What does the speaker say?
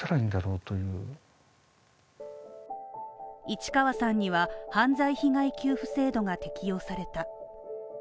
市川さんには犯罪被害給付制度が適用された。